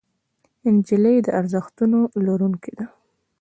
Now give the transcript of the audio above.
نجلۍ د ارزښتونو لرونکې ده.